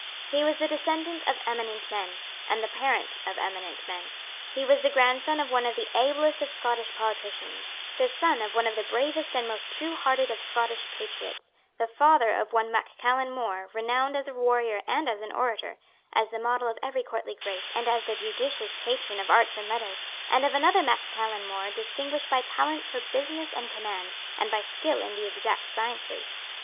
He was the descendant of eminent men, and the parent of eminent men. He was the grandson of one of the ablest of Scottish politicians; the son of one of the bravest and most truehearted of Scottish patriots; the father of one Mac Callum More renowned as a warrior and as an orator, as the model of every courtly grace, and as the judicious patron of arts and letters, and of another Mac Callum More distinguished by talents for business and command, and by skill in the exact sciences.